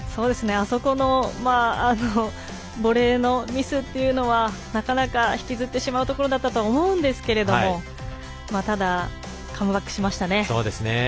あそこのボレーのミスはなかなか引きずってしまうところだった思うんですがただ、カムバックしましたね。